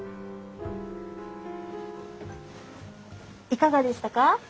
いかがでしたか？